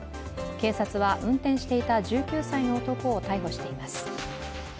警察は運転していた１９歳の男を逮捕しています。